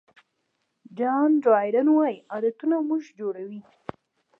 جان ډرایډن وایي عادتونه موږ جوړوي.